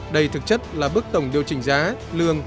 đây thực chất là bước tổng điều chỉnh giá lương